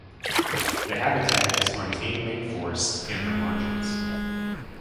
The habitat is montane rainforests and their margins.